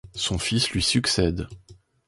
Son fils lui succède.